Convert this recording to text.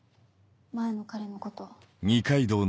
前の彼のこと。